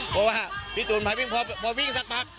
เพราะว่าพี่ตูนมาวิ่งพอวิ่งสักพัก